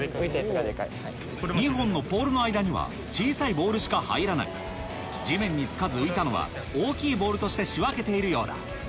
２本のポールの間には小さいボールしか入らない地面に着かず浮いたのは大きいボールとして仕分けているようだ